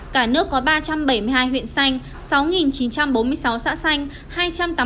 cả nước có ba trăm bảy mươi hai huyện xanh sáu chín trăm bốn mươi sáu xã xanh